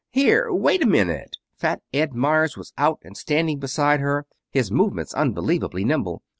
"Here! Wait a minute!" Fat Ed Meyers was out and standing beside her, his movements unbelievably nimble.